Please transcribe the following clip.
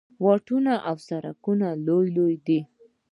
واټونه او سړکونه یې لوی لوی دي.